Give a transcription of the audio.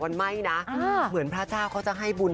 แต่วันไม่นะเหมือนพระเจ้าเขาห้าให้บุญ